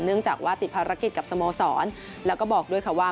เนื่องจากว่าติดภารกิจกับสโมสรแล้วก็บอกด้วยค่ะว่า